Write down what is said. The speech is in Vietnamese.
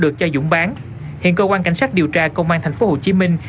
công an quận bình tân thành phố hồ chí minh